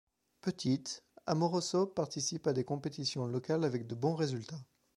Petite, Amoroso participe à des compétitions locales avec de bons résultats.